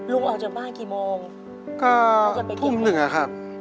ออกจากบ้านกี่โมงก็ทุ่มหนึ่งอะครับ